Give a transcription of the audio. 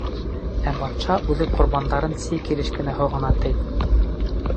Ә батша үҙе ҡорбандарын сей килеш кенә һоғона, ти.